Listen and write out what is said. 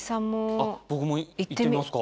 あっ僕も行ってみますか？